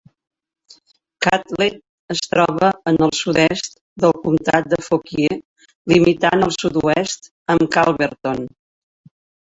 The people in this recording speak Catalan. Catlett es troba en el sud-est del comtat de Fauquier, limitant al sud-oest amb Calverton.